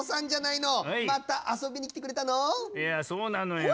いやそうなのよ。